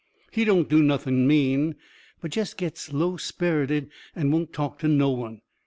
He don't do nothing mean, but jest gets low sperrited and won't talk to no one.